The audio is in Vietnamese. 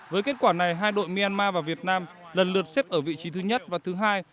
với kết quả này hai đội myanmar và việt nam lần lượt xếp ở vị trí thứ nhất và thứ hai